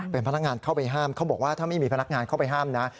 เป็นพนักงานเข้าไปห้ามเขาบอกว่าถ้าไม่มีพนักงานเข้าไปห้ามนะ